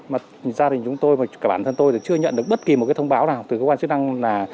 mà gia đình chúng tôi và cả bản thân tôi chưa nhận được bất kỳ một thông báo nào từ cơ quan chức năng